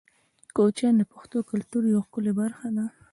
کوچیان د پښتنو د کلتور یوه ښکلې برخه ده.